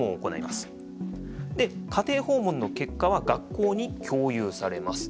で家庭訪問の結果は学校に共有されます。